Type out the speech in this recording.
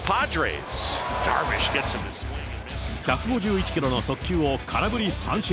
１５１キロの速球を空振り三振。